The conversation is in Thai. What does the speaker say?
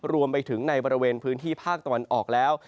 รวมไปถึงในบริเวณพื้นที่ภาคตะวันออกแล้ว